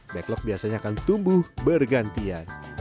backlog biasanya akan tumbuh bergantian